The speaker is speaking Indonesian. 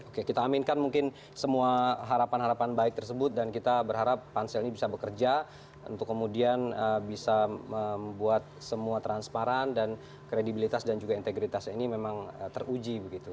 oke kita aminkan mungkin semua harapan harapan baik tersebut dan kita berharap pansel ini bisa bekerja untuk kemudian bisa membuat semua transparan dan kredibilitas dan juga integritas ini memang teruji begitu